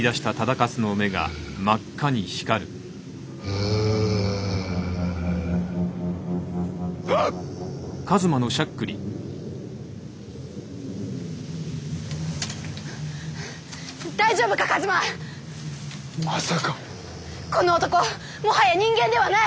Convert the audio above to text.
この男もはや人間ではない！